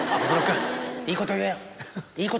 いいこと言え！